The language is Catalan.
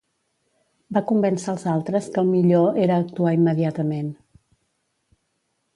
Va convèncer als altres que el millor era actuar immediatament.